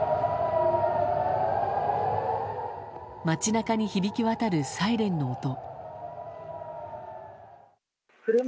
街中に響き渡るサイレンの音。